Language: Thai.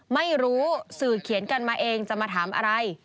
ไม่รู้สื่อเขียนกันมาเองจะมาถามอะไร